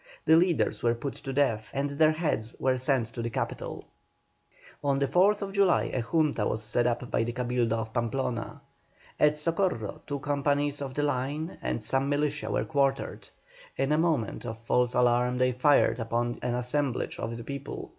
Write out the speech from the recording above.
The leaders were put to death, and their heads were sent to the capital. On the 4th July a Junta was set up by the Cabildo of Pamplona. At Socorro two companies of the line and some militia were quartered. In a moment of false alarm they fired upon an assemblage of the people.